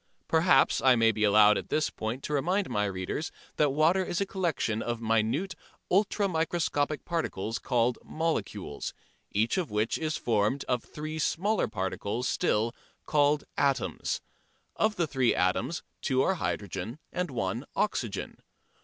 Perhaps I may be allowed at this point to remind my readers that water is a collection of minute ultra microscopic particles called "molecules," each of which is formed of three smaller particles still called "atoms." Of the three atoms two are hydrogen and one oxygen.